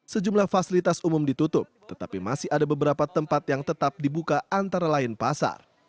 sejumlah fasilitas umum ditutup tetapi masih ada beberapa tempat yang tetap dibuka antara lain pasar